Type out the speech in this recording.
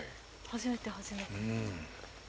初めて初めて。